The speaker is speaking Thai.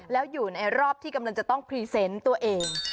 แล้วอยู่ในรอบที่กำลังจะต้องพรีเซนต์ตัวเอง